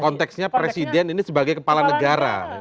konteksnya presiden ini sebagai kepala negara